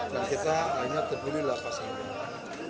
dan kita hanya tergulilah pasangnya